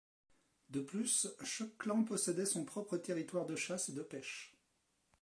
De plus, chaque clan possédait son propre territoire de chasse et de pêche.